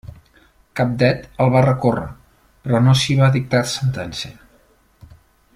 Cabdet el va recórrer, però no s'hi va dictar sentència.